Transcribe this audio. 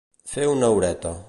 Fer una horeta.